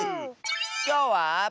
きょうは。